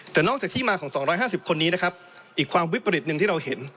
แต่นอกจากที่มาของ๒๕๐คนนี้นะครับอีกความวิปริตหนึ่งที่เราเห็น